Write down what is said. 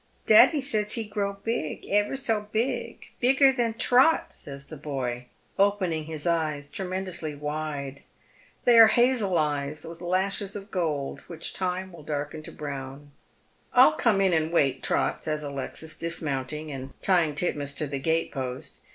" Daddie says he grow big — ever so big — bigger than Trot," says the boy, opening his eyes tremendously wide. They are hazel eyes, with lashes of gold, which time v^ill darken to brown. " I'll come in and wait, Trot," says Alexis, dismounting, and tying Titmouse to the gatepost.